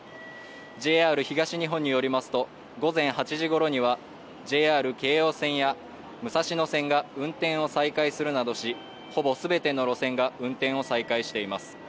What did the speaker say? ＪＲ東日本によりますと午前８時ごろにはＪＲ京葉線や武蔵野線が運転を再開するなどしほぼ全ての路線が運転を再開しています。